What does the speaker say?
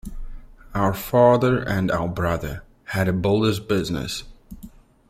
Our father and our brother had a builder's business.